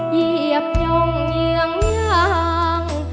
เหยียบย่องเยื้องยาง